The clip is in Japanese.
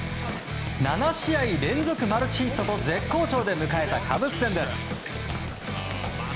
７試合連続マルチヒットと絶好調で迎えたカブス戦。